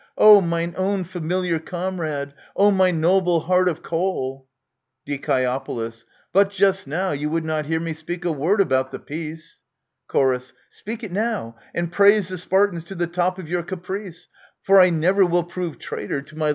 Oh, mine own familiar comrade ! Oh, my noble heart of coal 1 Die. But just now you would not hear me speak a word about the peace. Chor. Speak it now, and praise the Spartans to the top of your caprice 1 For I never will prove traitor to my little scuttle here